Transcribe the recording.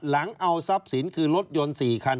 หลังเอาทรัพย์สินคือรถยนต์๔คัน